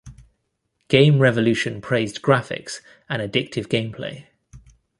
Game Revolution praised graphics and addictive gameplay.